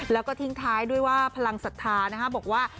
แล้วก็ทิ้งท้ายด้วยว่าพลังศรัทธาบอกว่า